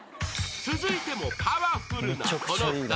［続いてもパワフルなこの２人］